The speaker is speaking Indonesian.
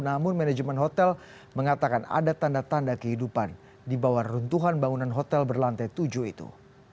namun manajemen hotel mengatakan ada tanda tanda kehidupan di bawah runtuhan bangunan hotel berlantai tujuh itu